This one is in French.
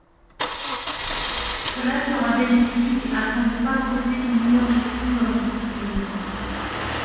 Cela sera bénéfique afin de favoriser une meilleure gestion de l’entreprise.